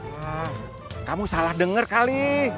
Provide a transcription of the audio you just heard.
pak kamu salah denger kali